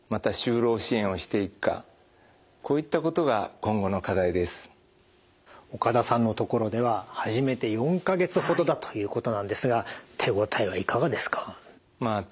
ある程度岡田さんのところでは始めて４か月ほどだということなんですが手応えはいかがですか？